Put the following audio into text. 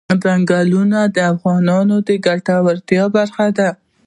ځنګلونه د افغانانو د ګټورتیا برخه ده.